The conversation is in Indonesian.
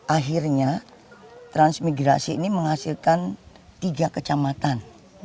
akhirnya transmigrasi ini menghasilkan tiga kecamatan